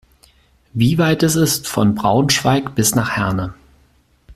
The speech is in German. Wie weit ist es von Braunschweig bis nach Herne?